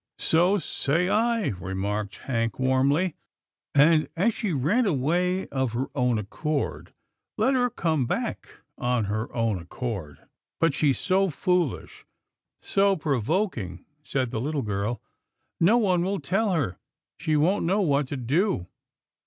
" So say I," remarked Hank warmly, " and as she ran away of her own accord, let her come back of her own accord." " But she's so foolish, so provoking," said the little girl, " no one will tell her — she won't know what to do."